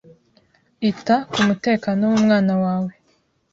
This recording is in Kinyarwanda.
Ita ku mutekano w’umwana wawe.